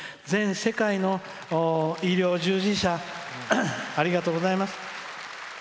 全世界の医療従事者ありがとうございます。